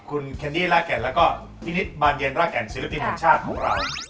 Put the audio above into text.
คุณแคนดี้รากแก่นและนิจบันเย็นรากแก่นศิลปินหั่นชาติของเรา